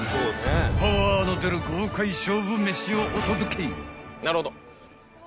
［パワーの出る豪快勝負飯をお届け］